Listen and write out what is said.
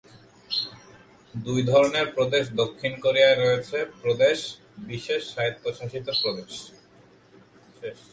দুই ধরনের প্রদেশ দক্ষিণ কোরিয়ায় রয়েছে: প্রদেশ, বিশেষ স্বায়ত্বশাসিত প্রদেশ।